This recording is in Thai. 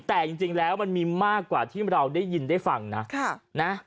แต่จริงแล้วมันมีมากกว่าที่เราได้ยินได้ฟังนะ